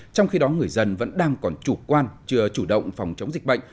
trong khi đó người dân vẫn đang còn chủ quan chưa chủ động phòng chống dịch bệnh